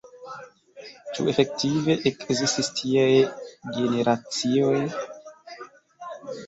ĉu efektive ekzistis tiaj generacioj?